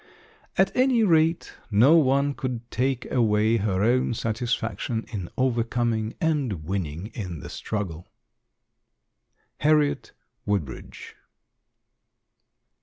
At any rate, no one could take away her own satisfaction in overcoming and winning in the struggle. Harriet Woodbridge.